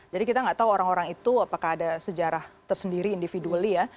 jadi kita nggak tahu orang orang itu apakah ada sejarah tersendiri individu